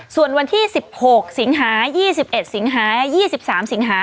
ส่วนวันที่๑๖สิงหา๒๑สิงหา๒๓สิงหา